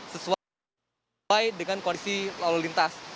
sesuai dengan kondisi lalu lintas